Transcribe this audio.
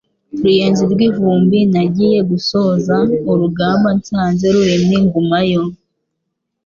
Ruyenzi rw'ivumbi, nagiye gusoza urugamba nsanze ruremye ngumayo,